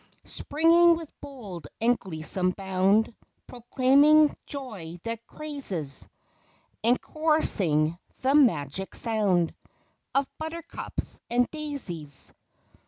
199 Springing with bold and gleesome bound, Proclaiming joy that crazes ; And chorusing the magic sound Of " Buttercups and Daisies